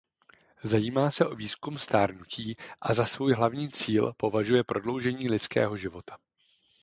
Zajímá se o výzkum stárnutí a za svůj hlavní cíl považuje prodloužení lidského života.